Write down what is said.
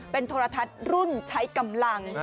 เป็นโทรทัศน์รุ่นใช้กำลัง